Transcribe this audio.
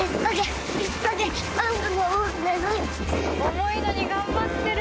重いのに頑張ってる。